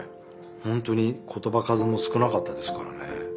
ほんとに言葉数も少なかったですからね。